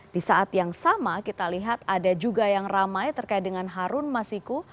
di saat yang sama kita lihat ada juga yang ramai terkait dengan harun masiku